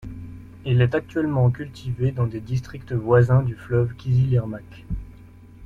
Il est actuellement cultivé dans des districts voisins du fleuve Kızılırmak.